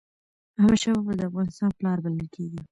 احمد شاه بابا د افغانستان پلار بلل کېږي.